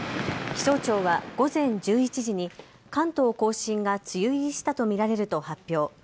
気象庁は午前１１時に関東甲信が梅雨入りしたと見られると発表。